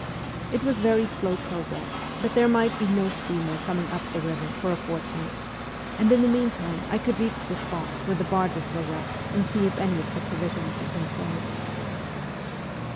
It was very slow progress, but there might be no steamer coming up the river for a fort night, and in the meantime I could reach the spots where the barges were wrecked and see if any of the provisions had been saved.